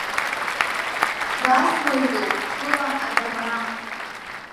Басуеитоуп хыла адамра.